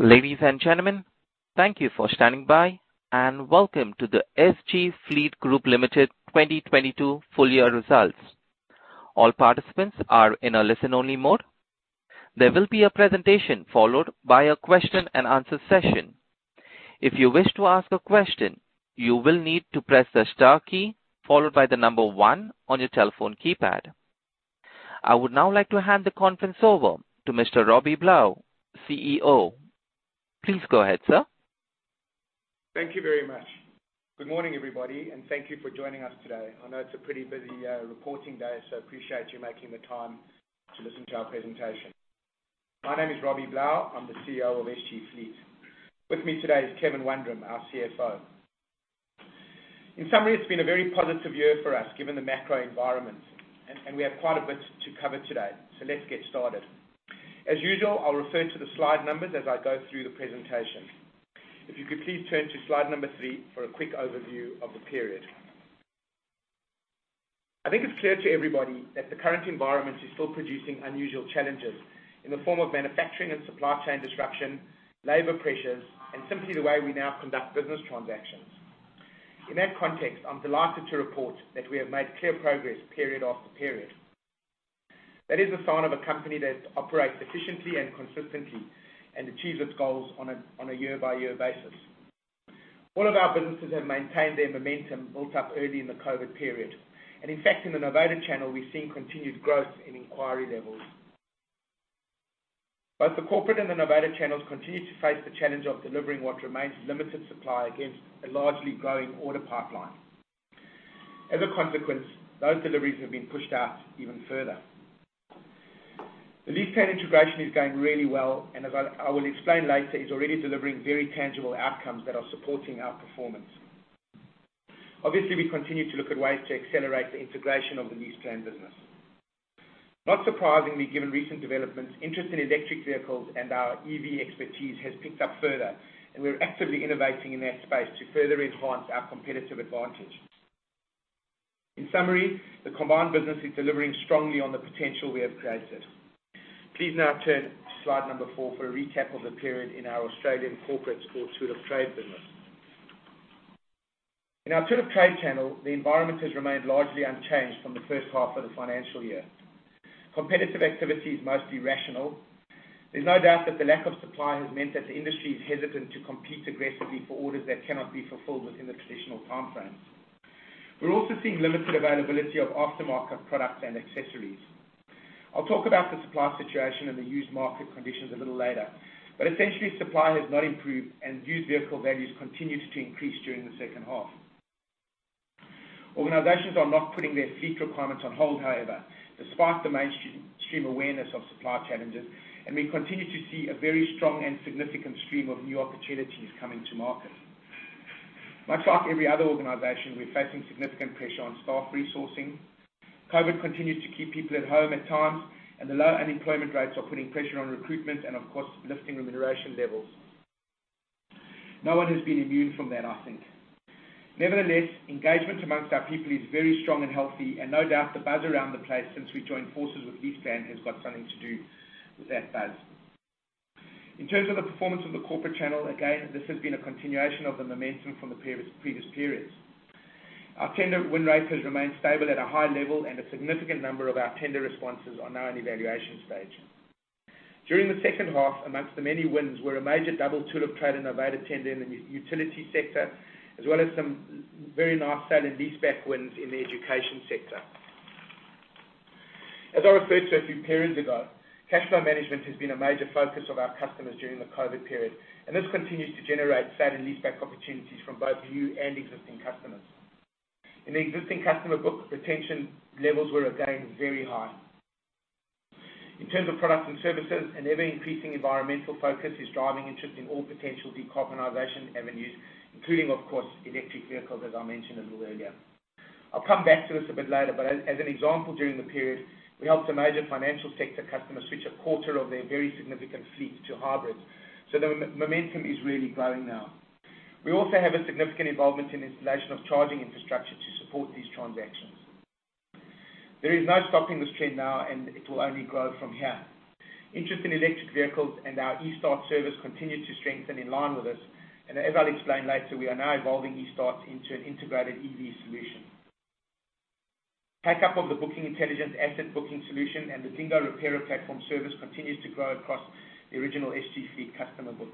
Ladies and gentlemen, thank you for standing by, and welcome to the SG Fleet Group Limited 2022 full year results. All participants are in a listen-only mode. There will be a presentation followed by a question and answer session. If you wish to ask a question, you will need to press the star key followed by the 1 on your telephone keypad. I would now like to hand the conference over to Mr. Robbie Blau, CEO. Please go ahead, sir. Thank you very much. Good morning, everybody, and thank you for joining us today. I know it's a pretty busy reporting day, so appreciate you making the time to listen to our presentation. My name is Robbie Blau. I'm the CEO of SG Fleet. With me today is Kevin Wundram, our CFO. In summary, it's been a very positive year for us, given the macro environment. We have quite a bit to cover today. Let's get started. As usual, I'll refer to the slide numbers as I go through the presentation. If you could please turn to slide number three for a quick overview of the period. I think it's clear to everybody that the current environment is still producing unusual challenges in the form of manufacturing and supply chain disruption, labor pressures, and simply the way we now conduct business transactions. In that context, I'm delighted to report that we have made clear progress period after period. That is a sign of a company that operates efficiently and consistently and achieves its goals on a year-by-year basis. All of our businesses have maintained their momentum built up early in the COVID period. In fact, in the Novated channel, we've seen continued growth in inquiry levels. Both the corporate and the Novated channels continue to face the challenge of delivering what remains limited supply against a largely growing order pipeline. As a consequence, those deliveries have been pushed out even further. The LeasePlan integration is going really well, and as I will explain later, is already delivering very tangible outcomes that are supporting our performance. Obviously, we continue to look at ways to accelerate the integration of the LeasePlan business. Not surprisingly, given recent developments, interest in electric vehicles and our EV expertise has picked up further, and we're actively innovating in that space to further enhance our competitive advantage. In summary, the combined business is delivering strongly on the potential we have created. Please now turn to slide number four for a recap of the period in our Australian corporate or tool of trade business. In our tool of trade channel, the environment has remained largely unchanged from the first half of the financial year. Competitive activity is mostly rational. There's no doubt that the lack of supply has meant that the industry is hesitant to compete aggressively for orders that cannot be fulfilled within the traditional time frames. We're also seeing limited availability of aftermarket products and accessories. I'll talk about the supply situation and the used market conditions a little later. Essentially, supply has not improved, and used vehicle values continued to increase during the second half. Organizations are not putting their fleet requirements on hold, however, despite the mainstream awareness of supply challenges, and we continue to see a very strong and significant stream of new opportunities coming to market. Much like every other organization, we're facing significant pressure on staff resourcing. COVID continues to keep people at home at times, and the low unemployment rates are putting pressure on recruitment and, of course, lifting remuneration levels. No one has been immune from that, I think. Nevertheless, engagement amongst our people is very strong and healthy, and no doubt the buzz around the place since we joined forces with LeasePlan has got something to do with that buzz. In terms of the performance of the corporate channel, again, this has been a continuation of the momentum from the previous periods. Our tender win rate has remained stable at a high level, and a significant number of our tender responses are now in evaluation stage. During the second half, among the many wins, were a major double tool of trade and Novated tender in the utility sector, as well as some very nice sale-and-leaseback wins in the education sector. As I referred to a few periods ago, cash flow management has been a major focus of our customers during the COVID period, and this continues to generate sale-and-leaseback opportunities from both new and existing customers. In the existing customer book, retention levels were, again, very high. In terms of products and services, an ever-increasing environmental focus is driving interest in all potential decarbonization avenues, including, of course, electric vehicles, as I mentioned a little earlier. I'll come back to this a bit later, but as an example, during the period, we helped a major financial sector customer switch a quarter of their very significant fleet to hybrids. The momentum is really growing now. We also have a significant involvement in installation of charging infrastructure to support these transactions. There is no stopping this trend now, and it will only grow from here. Interest in electric vehicles and our eStart service continued to strengthen in line with this, and as I'll explain later, we are now evolving eStart into an integrated EV solution. Take up of the Bookingintelligence asset booking solution and the DingGo repair platform service continues to grow across the original SG Fleet customer book.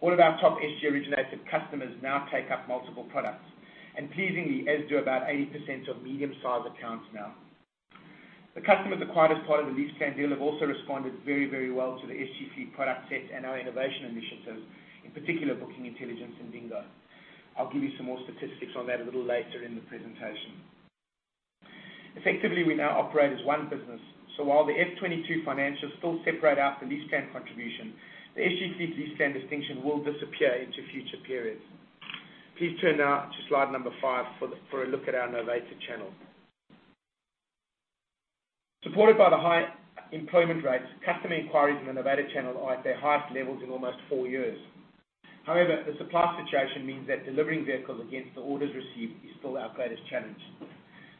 All of our top SG originated customers now take up multiple products, and pleasingly, as do about 80% of medium sized accounts now. The customers acquired as part of the LeasePlan deal have also responded very, very well to the SG Fleet product set and our innovation initiatives, in particular, Bookingintelligence and DingGo. I'll give you some more statistics on that a little later in the presentation. Effectively, we now operate as one business. While the F-22 financials still separate out the LeasePlan contribution, the SG Fleet LeasePlan distinction will disappear into future periods. Please turn now to slide number five for a look at our Novated channel. Supported by the high employment rates, customer inquiries in the Novated channel are at their highest levels in almost four years. However, the supply situation means that delivering vehicles against the orders received is still our greatest challenge.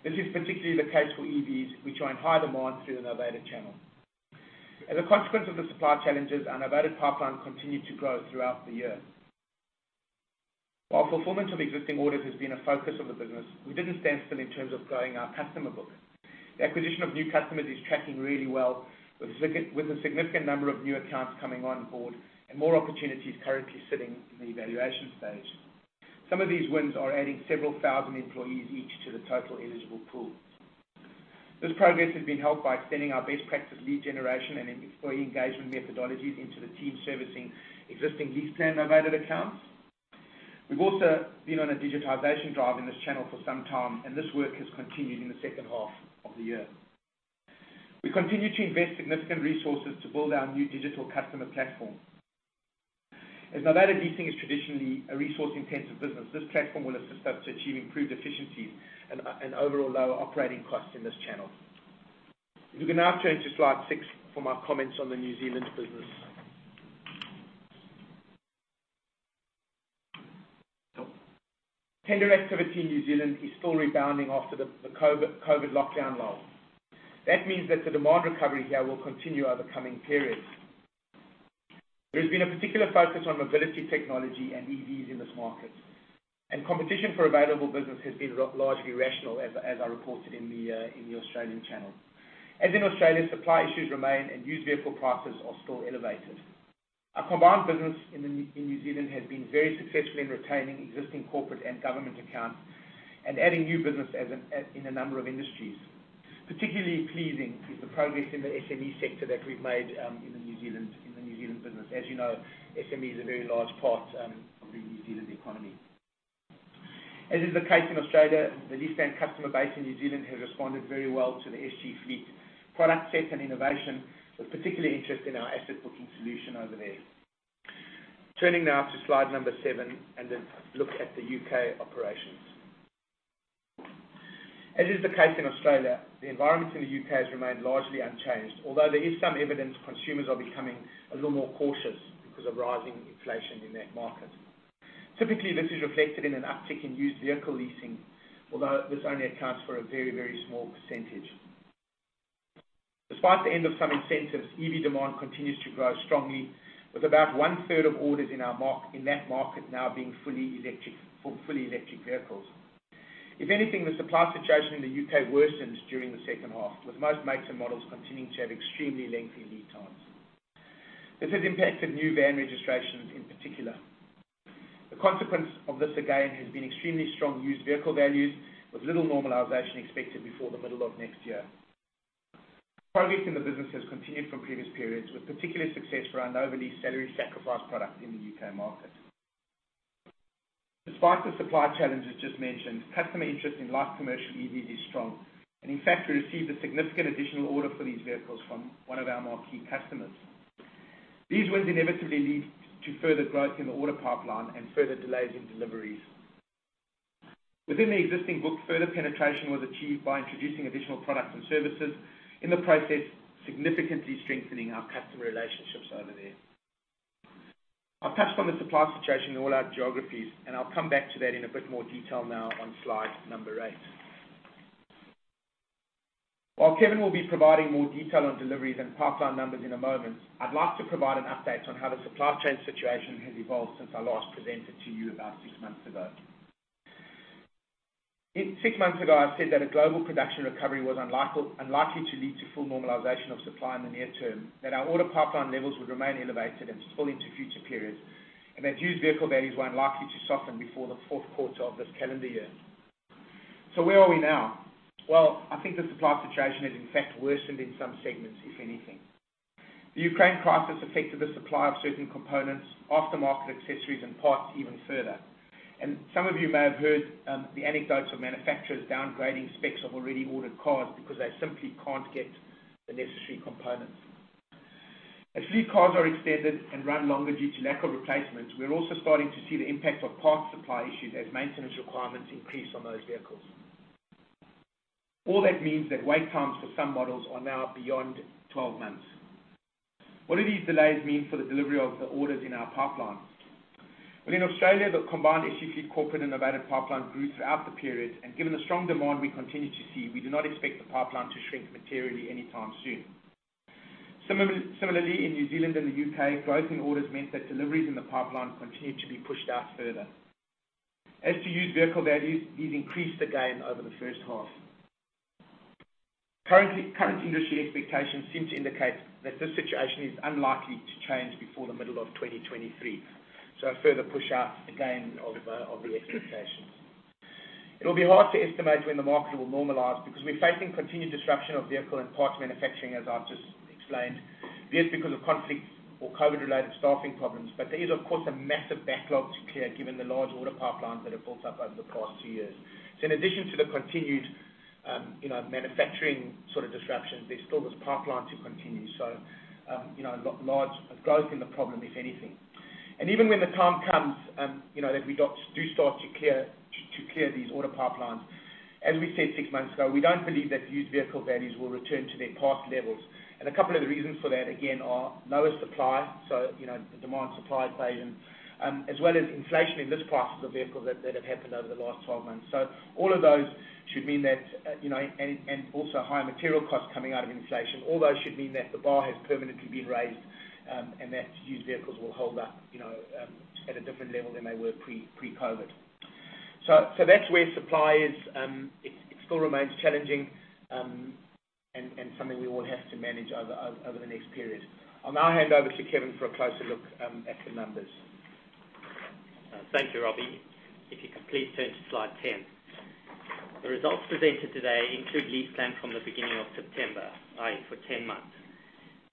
This is particularly the case for EVs, which are in high demand through the Novated channel. As a consequence of the supply challenges, our Novated pipeline continued to grow throughout the year. While performance of existing orders has been a focus of the business, we didn't stand still in terms of growing our customer book. The acquisition of new customers is tracking really well with a significant number of new accounts coming on board and more opportunities currently sitting in the evaluation stage. Some of these wins are adding several thousand employees each to the total eligible pool. This progress has been helped by extending our best practice lead generation and employee engagement methodologies into the team servicing existing LeasePlan Novated accounts. We've also been on a digitization drive in this channel for some time, and this work has continued in the second half of the year. We continue to invest significant resources to build our new digital customer platform. As Novated leasing is traditionally a resource-intensive business, this platform will assist us to achieve improved efficiencies and overall lower operating costs in this channel. If you can now turn to slide six for my comments on the New Zealand business. Tender activity in New Zealand is still rebounding after the COVID lockdown laws. That means that the demand recovery here will continue over coming periods. There has been a particular focus on mobility technology and EVs in this market. Competition for available business has been largely rational as I reported in the Australian channel. As in Australia, supply issues remain and used vehicle prices are still elevated. Our combined business in New Zealand has been very successful in retaining existing corporate and government accounts and adding new business in a number of industries. Particularly pleasing is the progress in the SME sector that we've made in the New Zealand business. As you know, SME is a very large part of the New Zealand economy. As is the case in Australia, the LeasePlan customer base in New Zealand has responded very well to the SG Fleet product set and innovation, with particular interest in our asset booking solution over there. Turning now to slide seven and then look at the U.K. operations. As is the case in Australia, the environment in the U.K. has remained largely unchanged, although there is some evidence consumers are becoming a little more cautious because of rising inflation in that market. Typically, this is reflected in an uptick in used vehicle leasing, although this only accounts for a very, very small percentage. Despite the end of some incentives, EV demand continues to grow strongly, with about 1/3 of orders in that market now being fully electric, for fully electric vehicles. If anything, the supply situation in the U.K. worsened during the second half, with most makes and models continuing to have extremely lengthy lead times. This has impacted new van registrations in particular. The consequence of this, again, has been extremely strong used vehicle values with little normalization expected before the middle of next year. Progress in the business has continued from previous periods, with particular success for our novated salary sacrifice product in the U.K. market. Despite the supply challenges just mentioned, customer interest in light commercial EVs is strong, and in fact, we received a significant additional order for these vehicles from one of our more key customers. These wins inevitably lead to further growth in the order pipeline and further delays in deliveries. Within the existing book, further penetration was achieved by introducing additional products and services, in the process, significantly strengthening our customer relationships over there. I've touched on the supply situation in all our geographies, and I'll come back to that in a bit more detail now on slide number eight. While Kevin will be providing more detail on deliveries and pipeline numbers in a moment, I'd like to provide an update on how the supply chain situation has evolved since I last presented to you about six months ago. Six months ago, I said that a global production recovery was unlikely to lead to full normalization of supply in the near term, that our order pipeline levels would remain elevated and spill into future periods, and that used vehicle values were unlikely to soften before the fourth quarter of this calendar year. Where are we now? Well, I think the supply situation has in fact worsened in some segments, if anything. The Ukraine crisis affected the supply of certain components, aftermarket accessories, and parts even further. Some of you may have heard the anecdotes of manufacturers downgrading specs of already ordered cars because they simply can't get the necessary components. As fleet cars are extended and run longer due to lack of replacements, we're also starting to see the impact of parts supply issues as maintenance requirements increase on those vehicles. All that means that wait times for some models are now beyond 12 months. What do these delays mean for the delivery of the orders in our pipeline? Well, in Australia, the combined SG Fleet corporate and novated pipeline grew throughout the period, and given the strong demand we continue to see, we do not expect the pipeline to shrink materially anytime soon. Similarly, in New Zealand and the U.K., growth in orders meant that deliveries in the pipeline continued to be pushed out further. As to used vehicle values, these increased again over the first half. Current industry expectations seem to indicate that this situation is unlikely to change before the middle of 2023. A further push out again of the expectations. It will be hard to estimate when the market will normalize because we're facing continued disruption of vehicle and parts manufacturing, as I've just explained. Be it because of conflict or COVID-related staffing problems. There is, of course, a massive backlog to clear given the large order pipelines that have built up over the past two years. In addition to the continued, you know, manufacturing sort of disruptions, there's still this pipeline to continue. Large growth in the problem, if anything. Even when the time comes, you know, that we do start to clear these order pipelines. As we said six months ago, we don't believe that used vehicle values will return to their past levels. A couple of the reasons for that, again, are lower supply, so, you know, the demand supply equation, as well as inflation in the price of the vehicle that have happened over the last 12 months. All of those should mean that, you know, and also higher material costs coming out of inflation. All those should mean that the bar has permanently been raised, and that used vehicles will hold up, you know, at a different level than they were pre-COVID. That's where supply is. It still remains challenging, and something we all have to manage over the next period. I'll now hand over to Kevin for a closer look at the numbers. Thank you, Robbie. If you could turn to slide 10. The results presented today include LeasePlan from the beginning of September, i.e., for 10 months.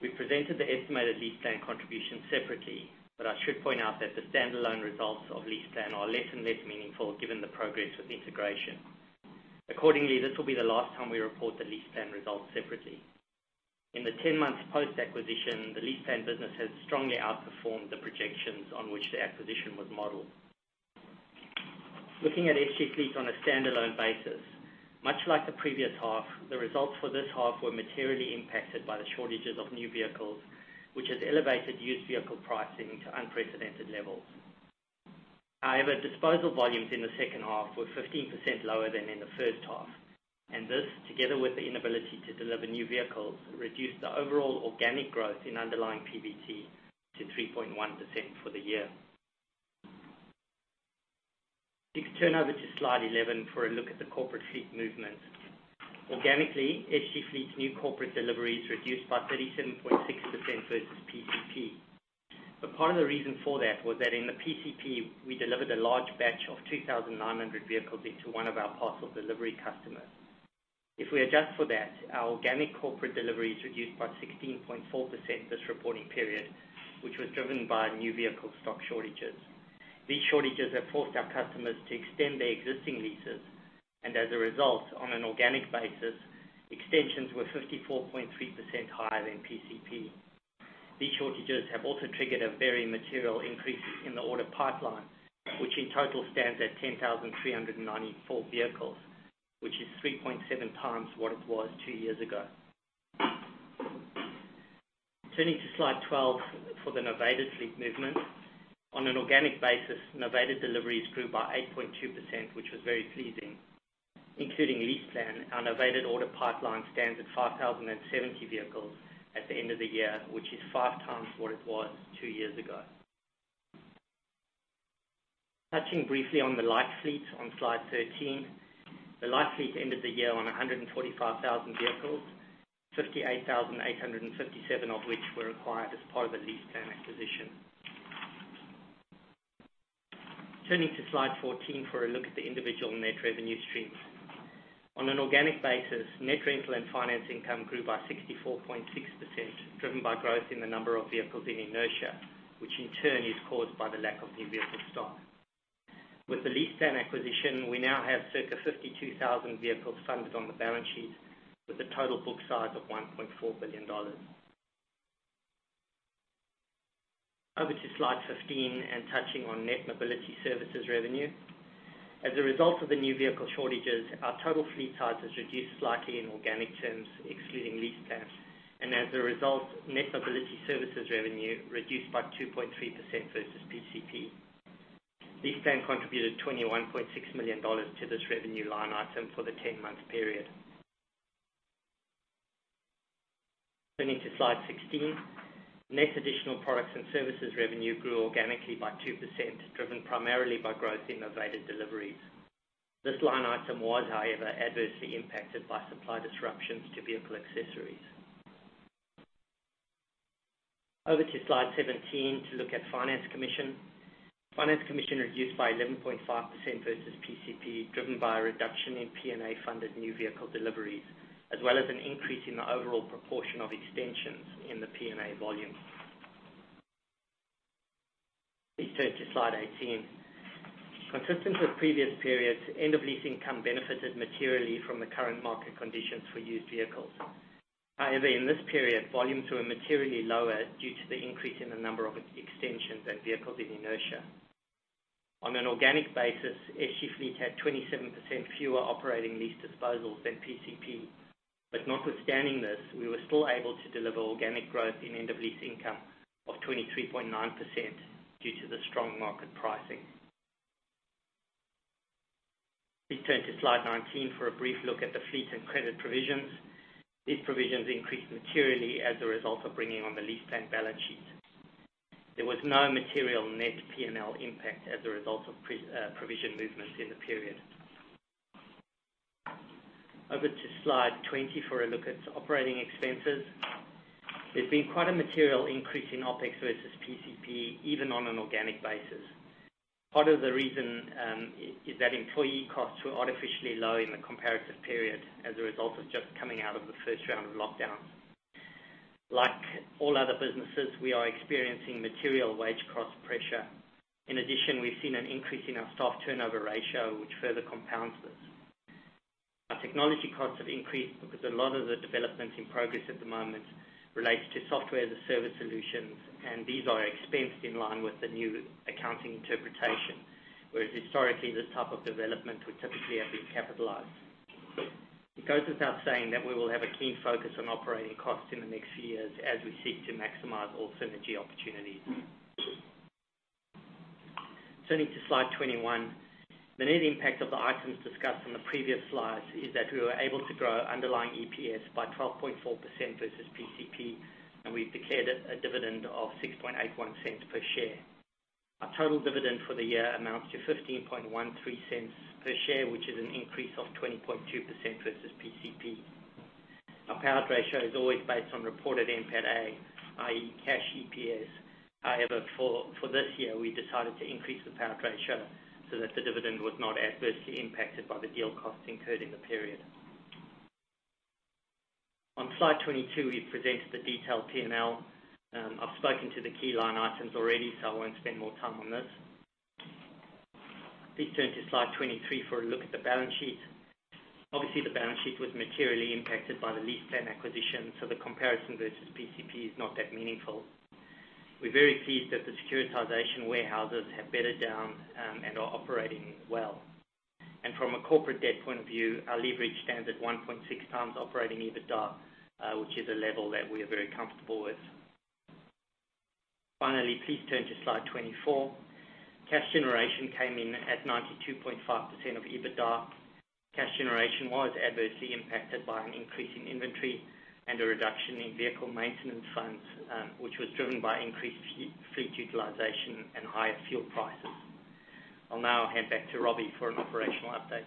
We presented the estimated LeasePlan contribution separately, but I should point out that the standalone results of LeasePlan are less and less meaningful given the progress of integration. Accordingly, this will be the last time we report the LeasePlan results separately. In the 10 months post-acquisition, the LeasePlan business has strongly outperformed the projections on which the acquisition was modeled. Looking at SG Fleet on a standalone basis, much like the previous half, the results for this half were materially impacted by the shortages of new vehicles, which has elevated used vehicle pricing to unprecedented levels. However, disposal volumes in the second half were 15% lower than in the first half, and this, together with the inability to deliver new vehicles, reduced the overall organic growth in underlying PBT to 3.1% for the year. If you turn over to slide 11 for a look at the corporate fleet movement. Organically, SG Fleet's new corporate deliveries reduced by 37.6% versus PCP. Part of the reason for that was that in the PCP, we delivered a large batch of 2,900 vehicles into one of our parcel delivery customers. If we adjust for that, our organic corporate delivery is reduced by 16.4% this reporting period, which was driven by new vehicle stock shortages. These shortages have forced our customers to extend their existing leases, and as a result, on an organic basis, extensions were 54.3% higher than PCP. These shortages have also triggered a very material increase in the order pipeline, which in total stands at 10,394 vehicles, which is 3.7x what it was two years ago. Turning to slide 12 for the Novated fleet movement. On an organic basis, Novated deliveries grew by 8.2%, which was very pleasing. Including LeasePlan, our Novated order pipeline stands at 5,070 vehicles at the end of the year, which is 5x what it was two years ago. Touching briefly on the Light Fleet on slide 13. The Light Fleet ended the year on 145,000 vehicles, 58,857 of which were acquired as part of the LeasePlan acquisition. Turning to slide 14 for a look at the individual net revenue streams. On an organic basis, net rental and finance income grew by 64.6%, driven by growth in the number of vehicles in the fleet, which in turn is caused by the lack of new vehicle stock. With the LeasePlan acquisition, we now have circa 52,000 vehicles funded on the balance sheet with a total book size of 1.4 billion dollars. Over to slide 15, touching on net mobility services revenue. As a result of the new vehicle shortages, our total fleet size has reduced slightly in organic terms, excluding LeasePlan, and as a result, net mobility services revenue reduced by 2.3% versus PCP. LeasePlan contributed 21.6 million dollars to this revenue line item for the 10-month period. Turning to slide 16. Net additional products and services revenue grew organically by 2%, driven primarily by growth in Novated deliveries. This line item was, however, adversely impacted by supply disruptions to vehicle accessories. Over to slide 17 to look at finance commission. Finance commission reduced by 11.5% versus PCP, driven by a reduction in P&A funded new vehicle deliveries, as well as an increase in the overall proportion of extensions in the P&A volume. Please turn to slide 18. Consistent with previous periods, end of lease income benefited materially from the current market conditions for used vehicles. However, in this period, volumes were materially lower due to the increase in the number of extensions and vehicles in inertia. On an organic basis, SG Fleet had 27% fewer operating lease disposals than PCP. Notwithstanding this, we were still able to deliver organic growth in end of lease income of 23.9% due to the strong market pricing. Please turn to slide 19 for a brief look at the fleet and credit provisions. These provisions increased materially as a result of bringing on the LeasePlan balance sheet. There was no material net P&L impact as a result of provision movements in the period. Over to slide 20 for a look at operating expenses. There's been quite a material increase in OpEx versus PCP, even on an organic basis. Part of the reason is that employee costs were artificially low in the comparative period as a result of just coming out of the first round of lockdowns. Like all other businesses, we are experiencing material wage cost pressure. In addition, we've seen an increase in our staff turnover ratio, which further compounds this. Our technology costs have increased because a lot of the developments in progress at the moment relates to software as a service solutions, and these are expensed in line with the new accounting interpretation. Whereas historically, this type of development would typically have been capitalized. It goes without saying that we will have a keen focus on operating costs in the next few years as we seek to maximize all synergy opportunities. Turning to slide 21. The net impact of the items discussed on the previous slides is that we were able to grow underlying EPS by 12.4% versus PCP, and we've declared a dividend of 0.0681 per share. Our total dividend for the year amounts to 0.1513 per share, which is an increase of 20.2% versus PCP. Our payout ratio is always based on reported NPATA, i.e., cash EPS. However, for this year, we decided to increase the payout ratio so that the dividend was not adversely impacted by the deal costs incurred in the period. On slide 22, we presented the detailed P&L. I've spoken to the key line items already, so I won't spend more time on this. Please turn to slide 23 for a look at the balance sheet. Obviously, the balance sheet was materially impacted by the LeasePlan acquisition, so the comparison versus PCP is not that meaningful. We're very pleased that the securitization warehouses have bedded down and are operating well. From a corporate debt point of view, our leverage stands at 1.6x operating EBITDA, which is a level that we are very comfortable with. Finally, please turn to slide 24. Cash generation came in at 92.5% of EBITDA. Cash generation was adversely impacted by an increase in inventory and a reduction in vehicle maintenance funds, which was driven by increased our fleet utilization and higher fuel prices. I'll now hand back to Robbie for an operational update.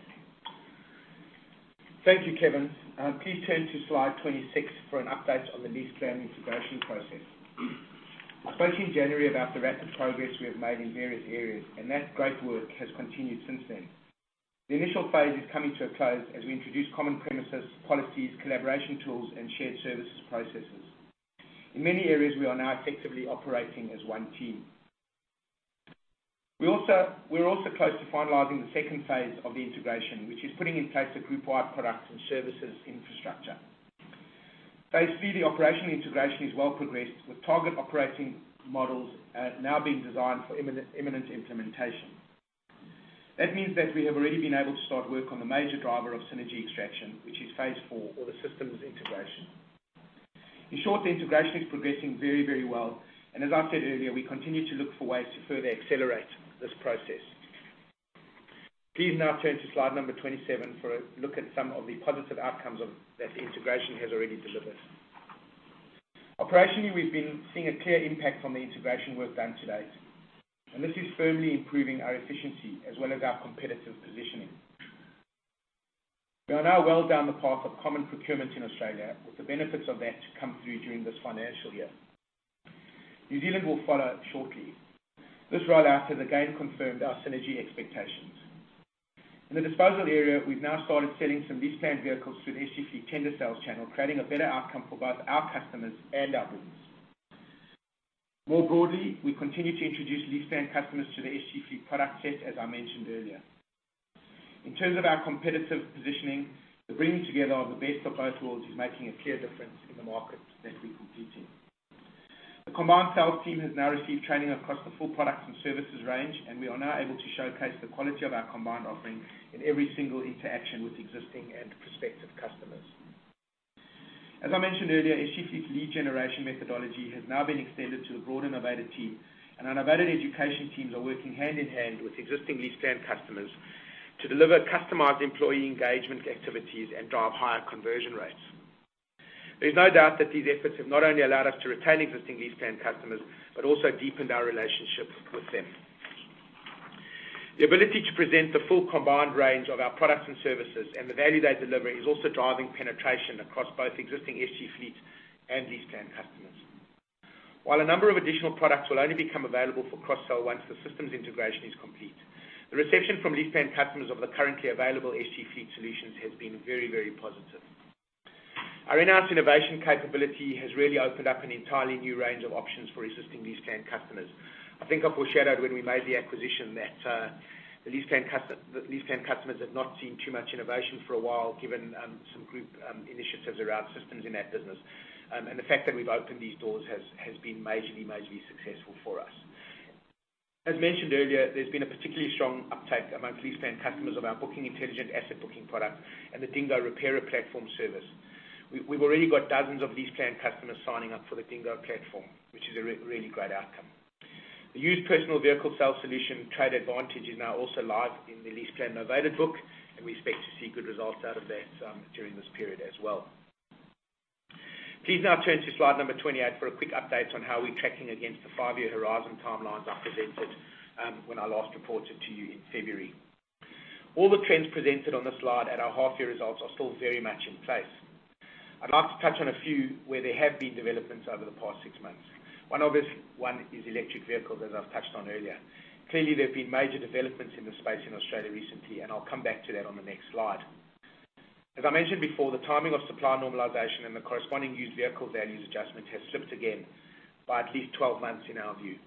Thank you, Kevin. Please turn to slide 26 for an update on the LeasePlan integration process. I spoke to you in January about the rapid progress we have made in various areas, and that great work has continued since then. The initial phase is coming to a close as we introduce common premises, policies, collaboration tools, and shared services processes. In many areas, we are now effectively operating as one team. We're also close to finalizing the second phase of the integration, which is putting in place a group-wide products and services infrastructure. Phase three of the operational integration is well progressed, with target operating models now being designed for imminent implementation. That means that we have already been able to start work on the major driver of synergy extraction, which is phase four or the systems integration. In short, the integration is progressing very, very well, and as I said earlier, we continue to look for ways to further accelerate this process. Please now turn to slide number 27 for a look at some of the positive outcomes that the integration has already delivered. Operationally, we've been seeing a clear impact from the integration work done to date, and this is firmly improving our efficiency as well as our competitive positioning. We are now well down the path of common procurement in Australia, with the benefits of that to come through during this financial year. New Zealand will follow shortly. This roll-out has again confirmed our synergy expectations. In the disposal area, we've now started selling some LeasePlan vehicles through the SG Fleet tender sales channel, creating a better outcome for both our customers and our business. More broadly, we continue to introduce LeasePlan customers to the SG Fleet product set, as I mentioned earlier. In terms of our competitive positioning, the bringing together of the best of both worlds is making a clear difference in the markets that we compete in. The combined sales team has now received training across the full products and services range, and we are now able to showcase the quality of our combined offering in every single interaction with existing and prospective customers. As I mentioned earlier, SG Fleet's lead generation methodology has now been extended to the broader Novated team, and our Novated education teams are working hand in hand with existing LeasePlan customers to deliver customized employee engagement activities and drive higher conversion rates. There's no doubt that these efforts have not only allowed us to retain existing LeasePlan customers but also deepened our relationships with them. The ability to present the full combined range of our products and services and the value they deliver is also driving penetration across both existing SG Fleet and LeasePlan customers. While a number of additional products will only become available for cross-sell once the systems integration is complete, the reception from LeasePlan customers of the currently available SG Fleet solutions has been very, very positive. Our enhanced innovation capability has really opened up an entirely new range of options for existing LeasePlan customers. I think I foreshadowed when we made the acquisition that, the LeasePlan customers had not seen too much innovation for a while, given, some group, initiatives around systems in that business. The fact that we've opened these doors has been majorly successful for us. As mentioned earlier, there's been a particularly strong uptake amongst LeasePlan customers of our Bookingintelligence asset booking product and the DingGo Repairer platform service. We've already got dozens of LeasePlan customers signing up for the DingGo platform, which is a really great outcome. The used personal vehicle sales solution, Trade Advantage, is now also live in the LeasePlan Novated book, and we expect to see good results out of that during this period as well. Please now turn to slide number 28 for a quick update on how we're tracking against the five-year horizon timelines I presented when I last reported to you in February. All the trends presented on the slide at our half year results are still very much in place. I'd like to touch on a few where there have been developments over the past six months. One obvious one is electric vehicles, as I've touched on earlier. Clearly, there have been major developments in this space in Australia recently, and I'll come back to that on the next slide. As I mentioned before, the timing of supply normalization and the corresponding used vehicle values adjustment has slipped again by at least 12 months in our view.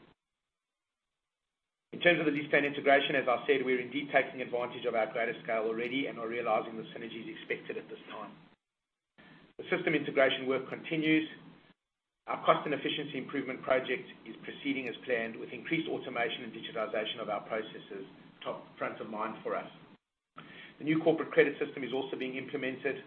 In terms of the LeasePlan integration, as I said, we are indeed taking advantage of our greater scale already and are realizing the synergies expected at this time. The system integration work continues. Our cost and efficiency improvement project is proceeding as planned with increased automation and digitization of our processes top of mind for us. The new corporate credit system is also being implemented.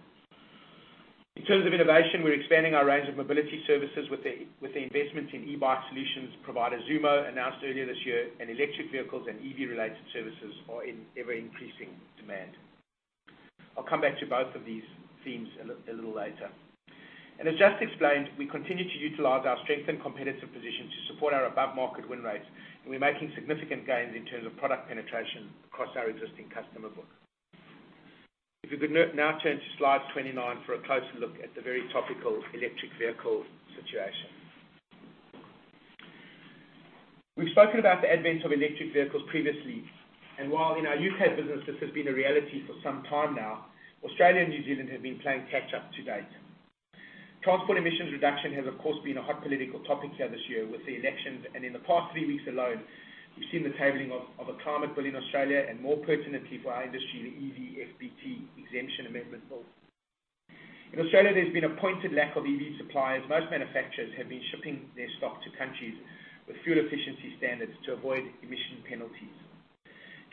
In terms of innovation, we're expanding our range of mobility services with the investments in e-bike solutions provider Zoomo announced earlier this year, and electric vehicles and EV-related services are in ever-increasing demand. I'll come back to both of these themes a little later. As just explained, we continue to utilize our strength and competitive position to support our above-market win rates, and we're making significant gains in terms of product penetration across our existing customer book. If you could now turn to slide 29 for a closer look at the very topical electric vehicle situation. We've spoken about the advent of electric vehicles previously, and while in our U.K. business, this has been a reality for some time now, Australia and New Zealand have been playing catch up to date. Transport emissions reduction has, of course, been a hot political topic here this year with the elections, and in the past three weeks alone, we've seen the tabling of a climate bill in Australia, and more pertinently for our industry, the EV FBT exemption amendment bill. In Australia, there's been a pointed lack of EV suppliers. Most manufacturers have been shipping their stock to countries with fuel efficiency standards to avoid emission penalties.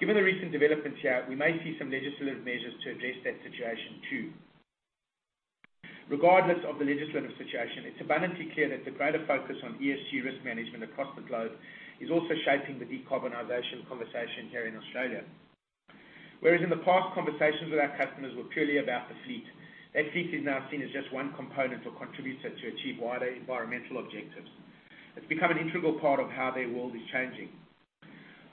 Given the recent developments here, we may see some legislative measures to address that situation too. Regardless of the legislative situation, it's abundantly clear that the greater focus on ESG risk management across the globe is also shaping the decarbonization conversation here in Australia. Whereas in the past, conversations with our customers were purely about the fleet. That fleet is now seen as just one component or contributor to achieve wider environmental objectives. It's become an integral part of how their world is changing.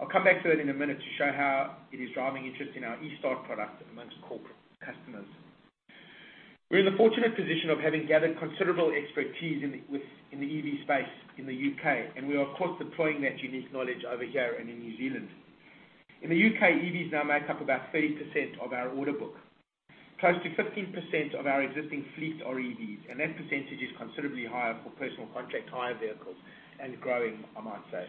I'll come back to that in a minute to show how it is driving interest in our eStart product among corporate customers. We're in the fortunate position of having gathered considerable expertise in the EV space in the U.K., and we are of course deploying that unique knowledge over here and in New Zealand. In the U.K., EVs now make up about 30% of our order book. Close to 15% of our existing fleet are EVs, and that percentage is considerably higher for Personal Contract Hire vehicles and growing, I might say.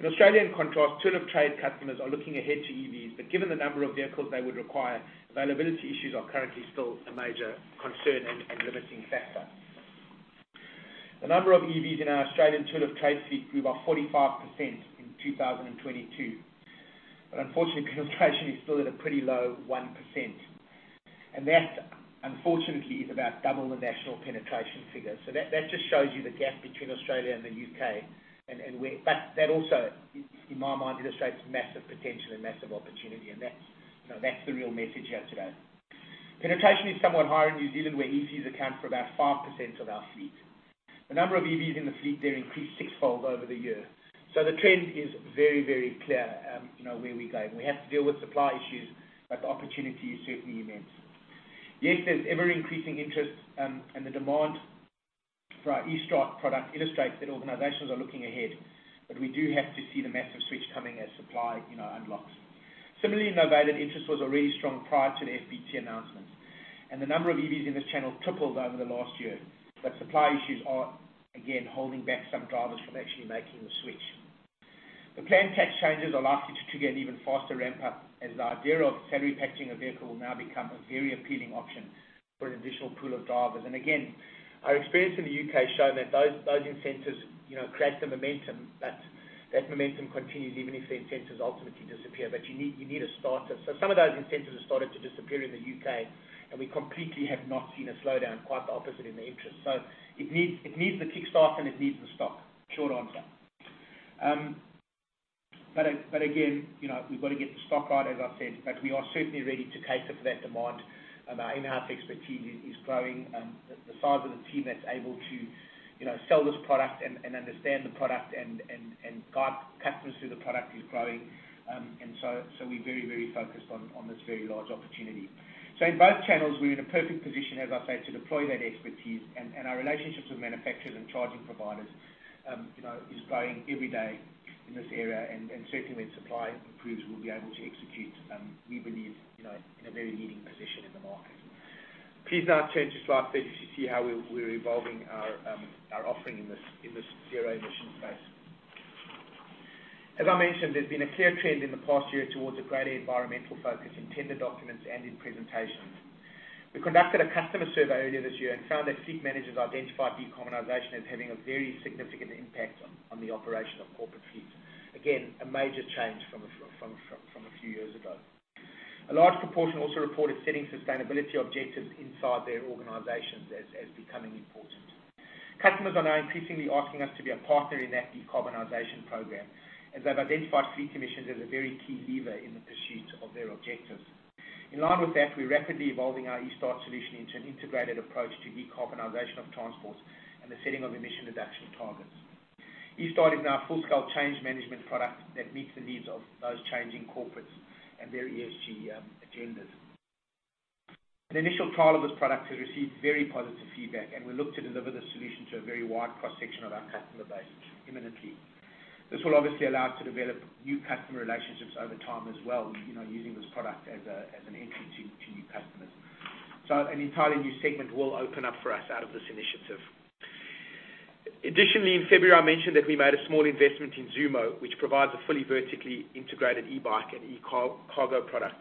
In Australia, in contrast, tool of trade customers are looking ahead to EVs, but given the number of vehicles they would require, availability issues are currently still a major concern and limiting factor. The number of EVs in our Australian tool of trade fleet grew by 45% in 2022. Unfortunately, penetration is still at a pretty low 1%. That, unfortunately, is about double the national penetration figure. That just shows you the gap between Australia and the U.K. That also, in my mind, illustrates massive potential and massive opportunity, and that's, you know, that's the real message here today. Penetration is somewhat higher in New Zealand, where EVs account for about 5% of our fleet. The number of EVs in the fleet there increased sixfold over the year. The trend is very, very clear, you know, where we're going. We have to deal with supply issues, but the opportunity is certainly immense. Yes, there's ever-increasing interest, and the demand for our eStart product illustrates that organizations are looking ahead, but we do have to see the massive switch coming as supply, you know, unlocks. Similarly, in Novated, interest was already strong prior to the FBT announcement, and the number of EVs in this channel tripled over the last year. Supply issues are, again, holding back some drivers from actually making the switch. The planned tax changes are likely to trigger an even faster ramp-up, as the idea of salary packaging a vehicle will now become a very appealing option for an additional pool of drivers. Our experience in the U.K. show that those incentives, you know, create the momentum, but that momentum continues even if the incentives ultimately disappear. You need a starter. Some of those incentives have started to disappear in the U.K., and we completely have not seen a slowdown, quite the opposite in the interest. It needs the kickstart and it needs the stock. Short answer. But again, you know, we've got to get the stock right, as I said, but we are certainly ready to cater for that demand. Our in-house expertise is growing. The size of the team that's able to, you know, sell this product and understand the product and guide customers through the product is growing. We're very focused on this very large opportunity. In both channels, we're in a perfect position, as I say, to deploy that expertise and our relationships with manufacturers and charging providers is growing every day in this area. Certainly when supply improves, we'll be able to execute, we believe, in a very leading position in the market. Please now turn to slide 30 to see how we're evolving our offering in this zero-emission space. As I mentioned, there's been a clear trend in the past year towards a greater environmental focus in tender documents and in presentations. We conducted a customer survey earlier this year and found that fleet managers identified decarbonization as having a very significant impact on the operation of corporate fleets. Again, a major change from a few years ago. A large proportion also reported setting sustainability objectives inside their organizations as becoming important. Customers are now increasingly asking us to be a partner in that decarbonization program, as they've identified fleet emissions as a very key lever in the pursuit of their objectives. In line with that, we're rapidly evolving our eStart solution into an integrated approach to decarbonization of transportation and the setting of emission reduction targets. eStart is now a full-scale change management product that meets the needs of those changing corporates and their ESG agendas. An initial trial of this product has received very positive feedback, and we look to deliver this solution to a very wide cross-section of our customer base imminently. This will obviously allow us to develop new customer relationships over time as well, you know, using this product as an entry to new customers. An entirely new segment will open up for us out of this initiative. Additionally, in February, I mentioned that we made a small investment in Zoomo, which provides a fully vertically integrated e-bike and e-cargo product.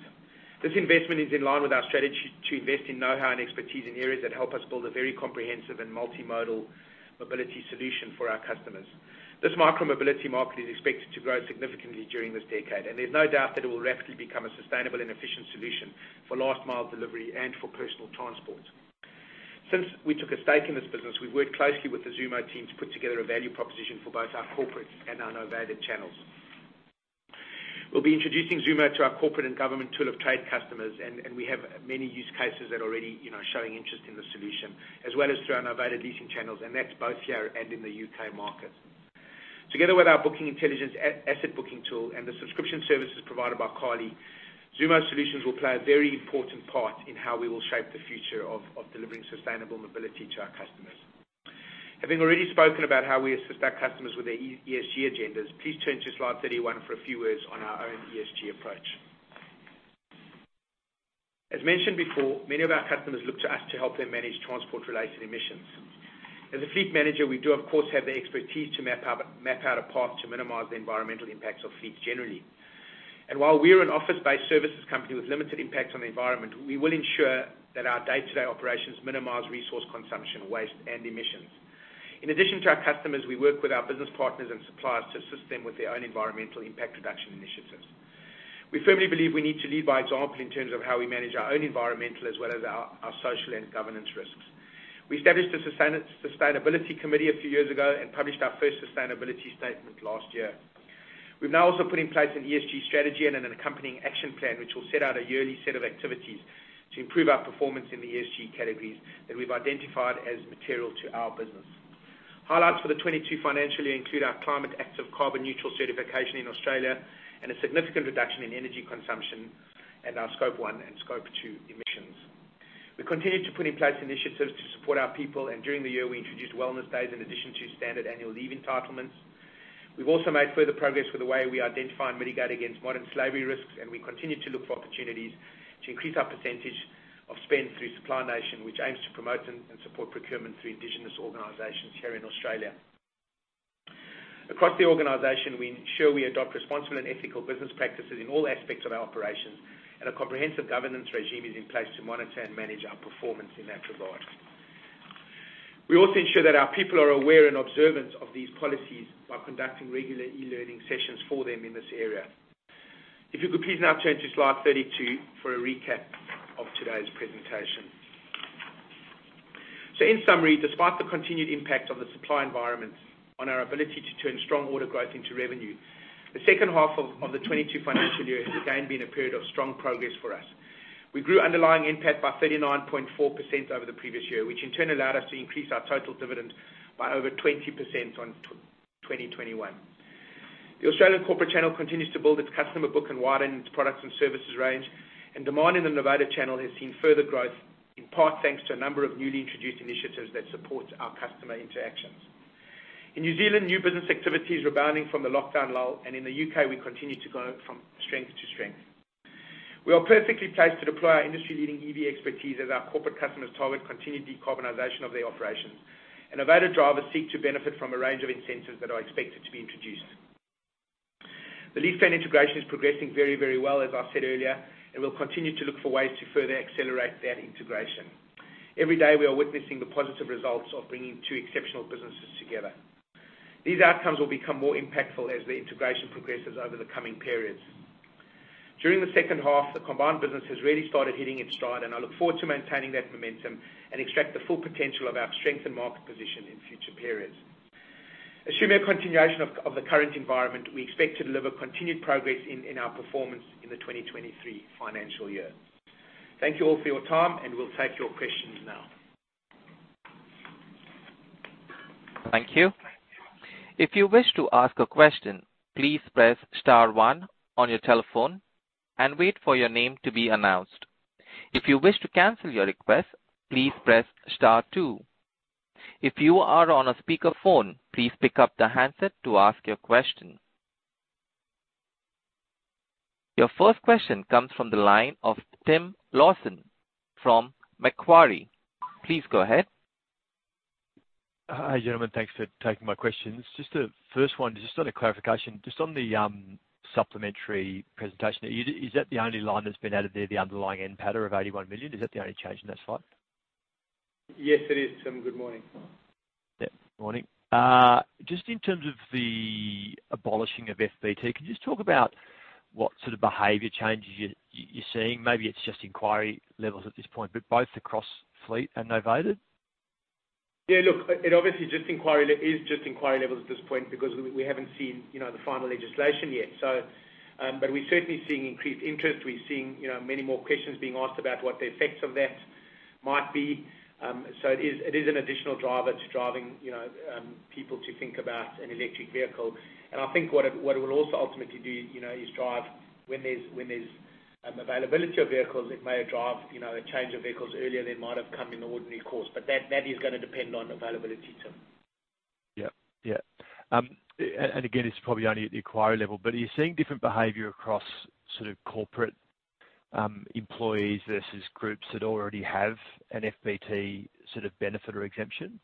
This investment is in line with our strategy to invest in know-how and expertise in areas that help us build a very comprehensive and multimodal mobility solution for our customers. This micromobility market is expected to grow significantly during this decade, and there's no doubt that it will rapidly become a sustainable and efficient solution for last mile delivery and for personal transport. Since we took a stake in this business, we've worked closely with the Zoomo team to put together a value proposition for both our corporate and our Novated channels. We'll be introducing Zoomo to our corporate and government tool of trade customers, and we have many use cases that are already, you know, showing interest in the solution as well as through our novated leasing channels, and that's both here and in the U.K. market. Together with our Bookingintelligence asset booking tool and the subscription services provided by Carly, Zoomo solutions will play a very important part in how we will shape the future of delivering sustainable mobility to our customers. Having already spoken about how we assist our customers with their ESG agendas, please turn to slide 31 for a few words on our own ESG approach. As mentioned before, many of our customers look to us to help them manage transport-related emissions. As a fleet manager, we do of course have the expertise to map out a path to minimize the environmental impacts of fleet generally. While we are an office-based services company with limited impact on the environment, we will ensure that our day-to-day operations minimize resource consumption, waste, and emissions. In addition to our customers, we work with our business partners and suppliers to assist them with their own environmental impact reduction initiatives. We firmly believe we need to lead by example in terms of how we manage our own environmental as well as our social and governance risks. We established a sustainability committee a few years ago and published our first sustainability statement last year. We've now also put in place an ESG strategy and an accompanying action plan, which will set out a yearly set of activities to improve our performance in the ESG categories that we've identified as material to our business. Highlights for the 2022 financial year include our ClimateActive carbon-neutral certification in Australia and a significant reduction in energy consumption and our Scope 1 and Scope 2 emissions. We continue to put in place initiatives to support our people, and during the year we introduced wellness days in addition to standard annual leave entitlements. We've also made further progress with the way we identify and mitigate against modern slavery risks, and we continue to look for opportunities to increase our percentage of spend through Supply Nation, which aims to promote and support procurement through Indigenous organizations here in Australia. Across the organization, we ensure we adopt responsible and ethical business practices in all aspects of our operations, and a comprehensive governance regime is in place to monitor and manage our performance in that regard. We also ensure that our people are aware and observant of these policies by conducting regular e-learning sessions for them in this area. If you could please now turn to slide 32 for a recap of today's presentation. In summary, despite the continued impact of the supply environment on our ability to turn strong order growth into revenue, the second half of the 2022 financial year has again been a period of strong progress for us. We grew underlying NPAT by 39.4% over the previous year, which in turn allowed us to increase our total dividends by over 20% on 2021. The Australian corporate channel continues to build its customer book and widen its products and services range. Demand in the Novated channel has seen further growth, in part thanks to a number of newly introduced initiatives that support our customer interactions. In New Zealand, new business activity is rebounding from the lockdown lull, and in the U.K. we continue to go from strength to strength. We are perfectly placed to deploy our industry-leading EV expertise as our corporate customers target continued decarbonization of their operations. Novated drivers seek to benefit from a range of incentives that are expected to be introduced. The LeasePlan integration is progressing very, very well, as I said earlier, and we'll continue to look for ways to further accelerate that integration. Every day, we are witnessing the positive results of bringing two exceptional businesses together. These outcomes will become more impactful as the integration progresses over the coming periods. During the second half, the combined business has really started hitting its stride, and I look forward to maintaining that momentum and extract the full potential of our strength and market position in future periods. Assuming a continuation of the current environment, we expect to deliver continued progress in our performance in the 2023 financial year. Thank you all for your time, and we'll take your questions now. Thank you. If you wish to ask a question, please press star one on your telephone and wait for your name to be announced. If you wish to cancel your request, please press star two. If you are on a speaker phone, please pick up the handset to ask your question. Your first question comes from the line of Tim Lawson from Macquarie. Please go ahead. Hi, gentlemen. Thanks for taking my questions. Just a first one, just on a clarification. Just on the supplementary presentation, is that the only line that's been added there, the underlying NPATA of 81 million? Is that the only change in that slide? Yes, it is, Tim. Good morning. Yeah, morning. Just in terms of the abolishing of FBT, can you just talk about what sort of behavior changes you're seeing? Maybe it's just inquiry levels at this point, but both across fleet and novated. Yeah, look, it obviously is just inquiry levels at this point because we haven't seen, you know, the final legislation yet. But we're certainly seeing increased interest. We're seeing, you know, many more questions being asked about what the effects of that might be. It is an additional driver to driving, you know, people to think about an electric vehicle. I think what it will also ultimately do, you know, is drive when there's availability of vehicles, it may drive, you know, a change of vehicles earlier than might have come in the ordinary course. That is gonna depend on availability, Tim. Yeah. Yeah. Again, it's probably only at the inquiry level, but are you seeing different behavior across sort of corporate? Employees versus groups that already have an FBT sort of benefit or exemption?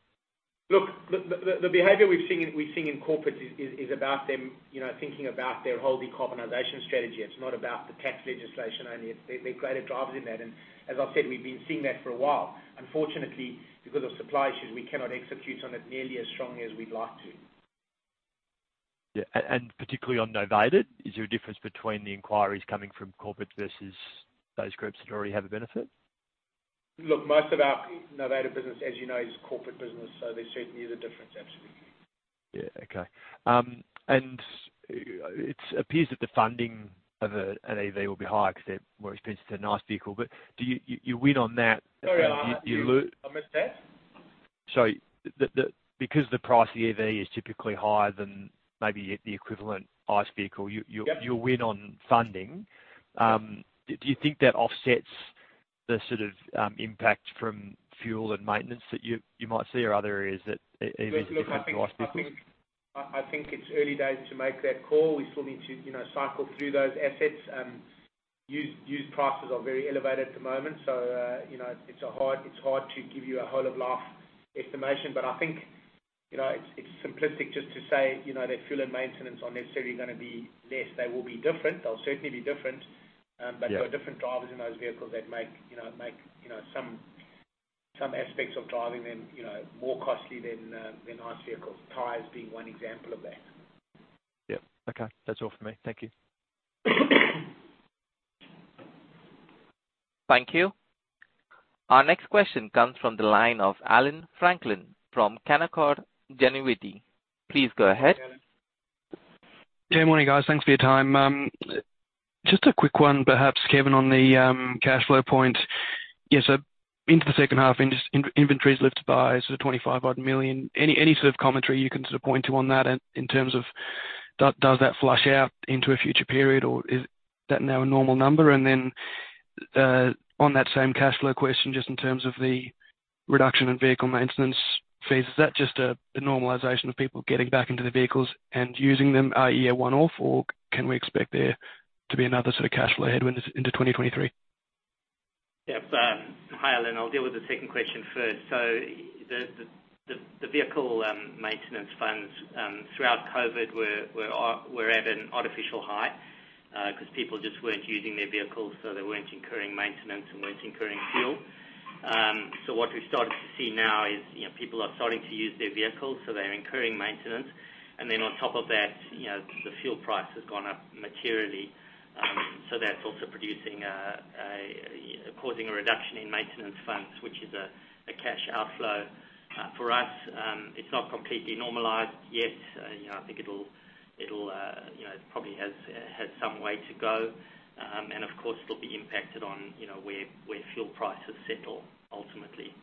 Look, the behavior we've seen, we're seeing in corporate is about them, you know, thinking about their whole decarbonization strategy. It's not about the tax legislation only. There are greater drivers in that. As I said, we've been seeing that for a while. Unfortunately, because of supply issues, we cannot execute on it nearly as strongly as we'd like to. Yeah. Particularly on novated, is there a difference between the inquiries coming from corporate versus those groups that already have a benefit? Look, most of our novated business, as you know, is corporate business. There's certainly a difference, absolutely. Yeah. Okay. It appears that the funding of an EV will be higher 'cause they're more expensive than an ICE vehicle. Do you win on that, you lo- Sorry, I missed that. Sorry. Because the price of the EV is typically higher than maybe the equivalent ICE vehicle. Yep. You'll win on funding. Do you think that offsets the sort of impact from fuel and maintenance that you might see or other areas that EV is different to ICE vehicles? I think it's early days to make that call. We still need to, you know, cycle through those assets. Used prices are very elevated at the moment, so, you know, it's hard to give you a whole of life estimation. I think, you know, it's simplistic just to say, you know, that fuel and maintenance are necessarily gonna be less. They will be different. They'll certainly be different. Yeah. There are different drivers in those vehicles that make, you know, some aspects of driving them, you know, more costly than ICE vehicles. Tires being one example of that. Yep. Okay. That's all for me. Thank you. Thank you. Our next question comes from the line of Allan Franklin from Canaccord Genuity. Please go ahead. Yeah, morning, guys. Thanks for your time. Just a quick one, perhaps, Kevin, on the cash flow point. Yeah, so into the second half, inventories lifted by sort of 25-odd million. Any sort of commentary you can sort of point to on that in terms of does that flush out into a future period, or is that now a normal number? Then, on that same cash flow question, just in terms of the reduction in vehicle maintenance fees, is that just a normalization of people getting back into their vehicles and using them, i.e., a one-off, or can we expect there to be another sort of cash flow headwinds into 2023? Yep. Hi, Allan. I'll deal with the second question first. The vehicle maintenance funds throughout COVID were at an artificial high, 'cause people just weren't using their vehicles, so they weren't incurring maintenance and weren't incurring fuel. What we've started to see now is, you know, people are starting to use their vehicles, so they're incurring maintenance. On top of that, you know, the fuel price has gone up materially. That's also causing a reduction in maintenance funds, which is a cash outflow. For us, it's not completely normalized yet. You know, I think it'll, you know, probably has some way to go. Of course it'll be impacted on, you know, where fuel prices settle ultimately.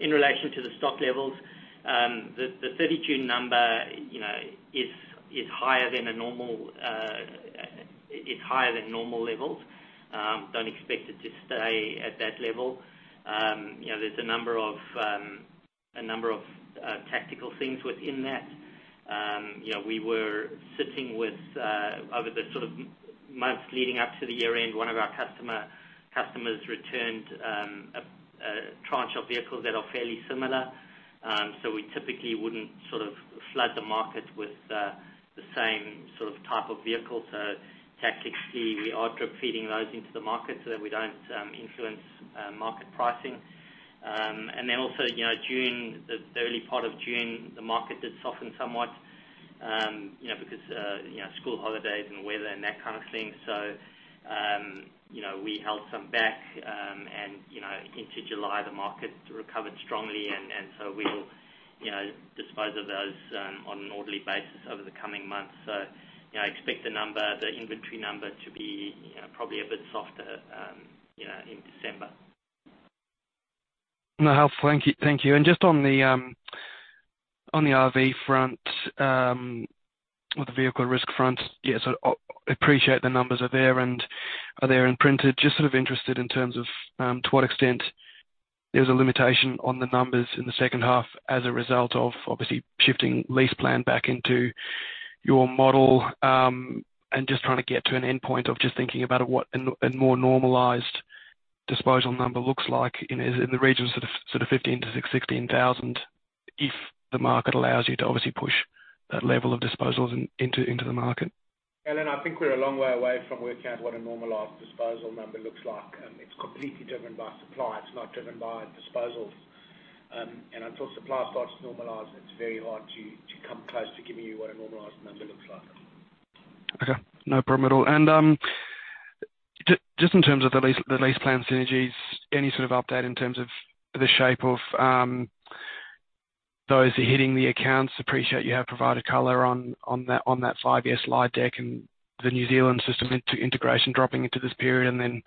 In relation to the stock levels, the 32 number, you know, is higher than normal levels. Don't expect it to stay at that level. You know, there's a number of tactical things within that. You know, we were sitting with, over the sort of months leading up to the year-end, one of our customers returned a tranche of vehicles that are fairly similar. We typically wouldn't sort of flood the market with the same sort of type of vehicle. Tactically, we are drip-feeding those into the market so that we don't influence market pricing. also, you know, June, the early part of June, the market did soften somewhat, you know, because, you know, school holidays and weather and that kind of thing. You know, we held some back, and, you know, into July, the market recovered strongly and so we'll, you know, dispose of those on an orderly basis over the coming months. You know, expect the number, the inventory number to be, you know, probably a bit softer, you know, in December. No, helpful. Thank you. Thank you. Just on the RV front, or the vehicle at risk front. Yeah, so I appreciate the numbers are there and printed. Just sort of interested in terms of to what extent there's a limitation on the numbers in the second half as a result of obviously shifting LeasePlan back into your model. Just trying to get to an endpoint of just thinking about what a more normalized disposal number looks like in, is it in the region sort of 15,000-16,000, if the market allows you to obviously push that level of disposals into the market. Allan, I think we're a long way away from working out what a normalized disposal number looks like. It's completely driven by supply. It's not driven by disposals. Until supply starts to normalize, it's very hard to come close to giving you what a normalized number looks like. Okay. No problem at all. Just in terms of the LeasePlan, the LeasePlan synergies, any sort of update in terms of the shape of those hitting the accounts. Appreciate you have provided color on that five-year slide deck and the New Zealand system integration dropping into this period and then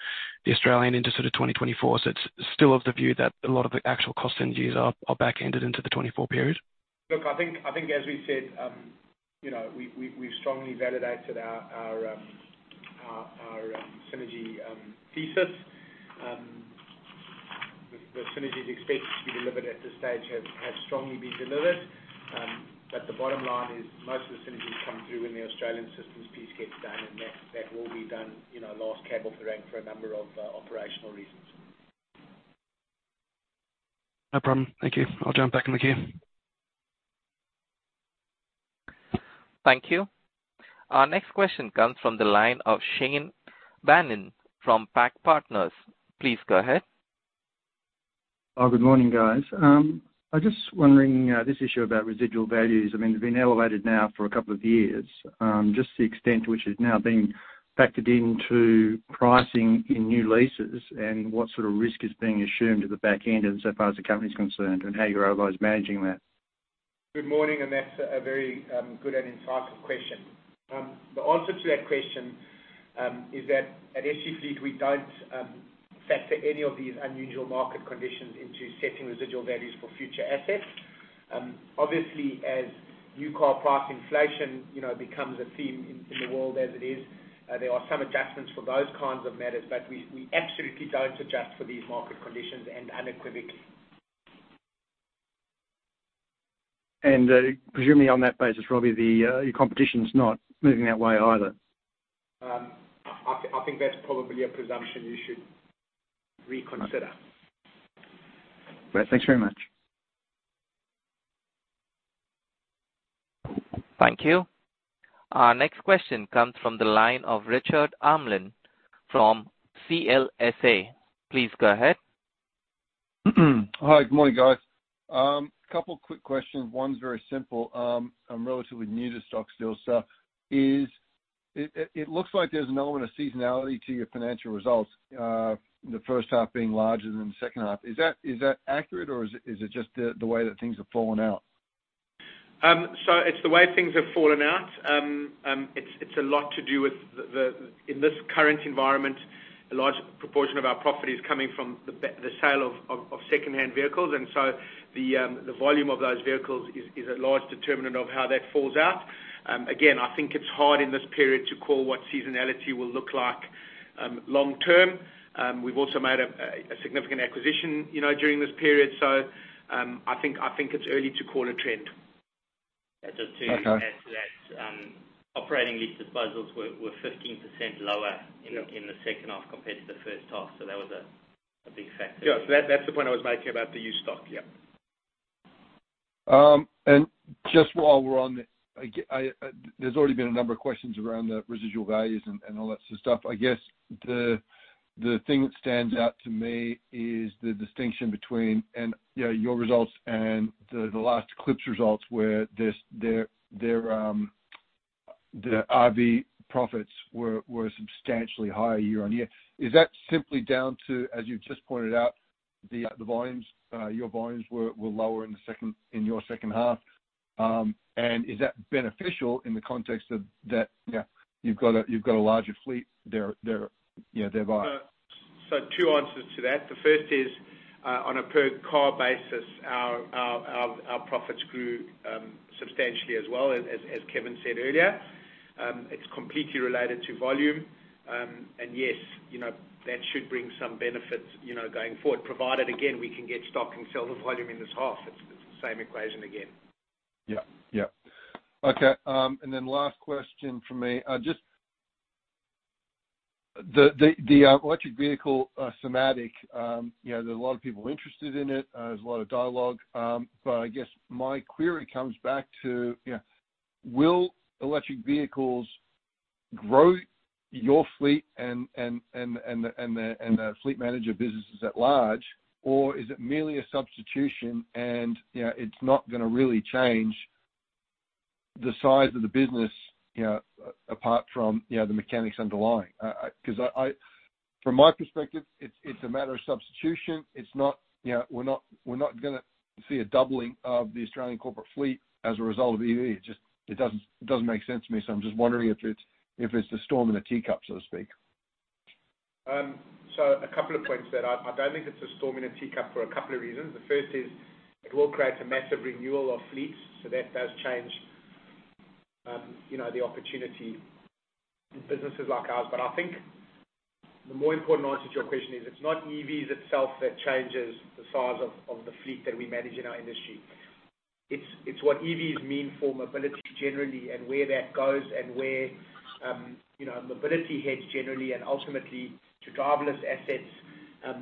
the Australian into sort of 2024. It's still of the view that a lot of the actual cost synergies are backended into the 2024 period. Look, I think as we said, you know, we've strongly validated our synergy thesis. Synergies expected to be delivered at this stage have strongly been delivered. The bottom line is most of the synergies come through when the Australian systems piece gets done, and that will be done, you know, last cab off the rank for a number of operational reasons. No problem. Thank you. I'll jump back in the queue. Thank you. Our next question comes from the line of Shane Bannon from PAC Partners. Please go ahead. Oh, good morning, guys. I was just wondering, this issue about residual values, I mean, they've been elevated now for a couple of years. Just the extent to which it's now been factored into pricing in new leases and what sort of risk is being assumed at the back end, and so far as the company's concerned and how you guys are managing that? Good morning, that's a very good and insightful question. The answer to that question is that at SG Fleet, we don't factor any of these unusual market conditions into setting residual values for future assets. Obviously, as new car price inflation, you know, becomes a theme in the world as it is, there are some adjustments for those kinds of matters. We absolutely don't adjust for these market conditions, and unequivocally. Presumably on that basis, Robbie, your competition is not moving that way either. I think that's probably a presumption you should reconsider. Great. Thanks very much. Thank you. Our next question comes from the line of Richard Armlin from CLSA. Please go ahead. Hi. Good morning, guys. Couple quick questions. One's very simple. I'm relatively new to SG Fleet, so it looks like there's an element of seasonality to your financial results, the first half being larger than the second half. Is that accurate, or is it just the way that things have fallen out? It's the way things have fallen out. It's a lot to do with the. In this current environment, a large proportion of our profit is coming from the sale of second-hand vehicles. The volume of those vehicles is a large determinant of how that falls out. Again, I think it's hard in this period to call what seasonality will look like long term. We've also made a significant acquisition, you know, during this period. I think it's early to call a trend. Okay. Just to add to that, operating lease pools were 15% lower. Yeah. In the second half compared to the first half, so that was a big factor. Yeah. That's the point I was making about the used stock. Yeah. There's already been a number of questions around the residual values and all that sort of stuff. I guess the thing that stands out to me is the distinction between, you know, your results and the last Eclipx results where their RV profits were substantially higher year-on-year. Is that simply down to, as you've just pointed out, the volumes? Your volumes were lower in your second half. Is that beneficial in the context of that, you know, you've got a larger fleet there, you know, thereby? Two answers to that. The first is, on a per car basis, our profits grew substantially as well as Kevin said earlier. It's completely related to volume. And yes, you know, that should bring some benefits, you know, going forward, provided, again, we can get stock and sell the volume in this half. It's the same equation again. Okay, last question from me. Just the electric vehicle thematic, you know, there are a lot of people interested in it. There's a lot of dialogue. I guess my query comes back to, you know, will electric vehicles grow your fleet and the fleet manager businesses at large, or is it merely a substitution and, you know, it's not gonna really change the size of the business, you know, apart from, you know, the mechanics underlying? 'Cause I. From my perspective, it's a matter of substitution. It's not. You know, we're not gonna see a doubling of the Australian corporate fleet as a result of EV. It just. It doesn't make sense to me, so I'm just wondering if it's the storm in the teacup, so to speak. A couple of points there. I don't think it's a storm in a teacup for a couple of reasons. The first is it will create a massive renewal of fleets, so that does change, you know, the opportunity in businesses like ours. But I think the more important answer to your question is it's not EVs itself that changes the size of the fleet that we manage in our industry. It's what EVs mean for mobility generally and where that goes and where, you know, mobility heads generally and ultimately to driverless assets,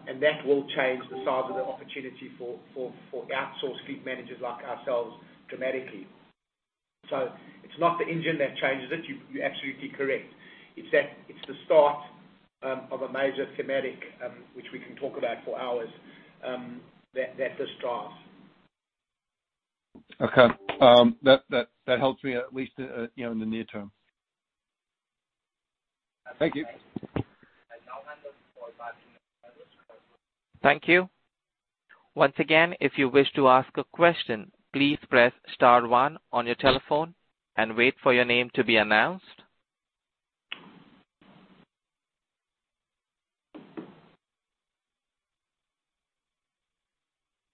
and that will change the size of the opportunity for outsourced fleet managers like ourselves dramatically. It's not the engine that changes it. You're absolutely correct. It's the start of a major theme, which we can talk about for hours, that just starts. Okay. That helps me at least, you know, in the near term. Thank you. I now hand over. Thank you. Once again, if you wish to ask a question, please press star one on your telephone and wait for your name to be announced.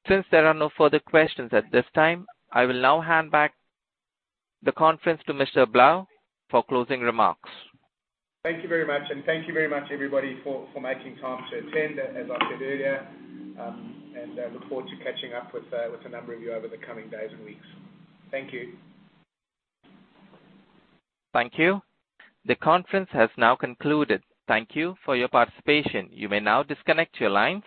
Since there are no further questions at this time, I will now hand back the conference to Mr. Blau for closing remarks. Thank you very much, and thank you very much everybody for making time to attend, as I said earlier, and I look forward to catching up with a number of you over the coming days and weeks. Thank you. Thank you. The conference has now concluded. Thank you for your participation. You may now disconnect your lines.